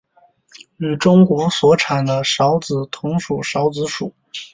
与中国所产的韶子同属韶子属。